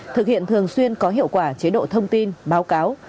thực hiện thường xuyên có hiệu quả chế độ thông tin báo cáo